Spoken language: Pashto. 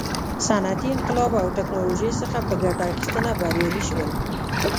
صنعتي انقلاب او ټکنالوژۍ څخه په ګټه اخیستنه بریالي شول.